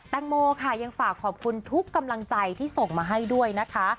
แตงโมค่ะยังฝากขอบคุณทุกกำลังใจที่ส่งมาให้ด้วยนะคะ